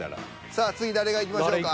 さあ次誰がいきましょうか？